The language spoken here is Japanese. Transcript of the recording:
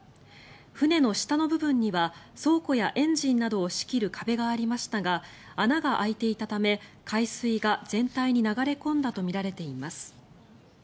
船の下の部分には倉庫やエンジンなどを仕切る壁がありましたが穴が開いていたため海水が全体に流れ込んだとみられています。